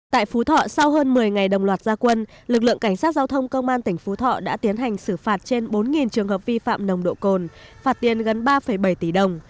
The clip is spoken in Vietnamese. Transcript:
tại phú thọ sau hơn một mươi ngày đồng loạt gia quân lực lượng cảnh sát giao thông công an tỉnh phú thọ đã tiến hành xử phạt trên bốn trường hợp vi phạm nồng độ cồn phạt tiền gần ba bảy tỷ đồng